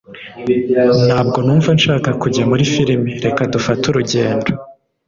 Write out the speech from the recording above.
ntabwo numva nshaka kujya muri firime. reka dufate urugendo